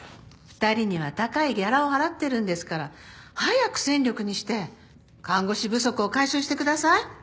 ２人には高いギャラを払ってるんですから早く戦力にして看護師不足を解消してください。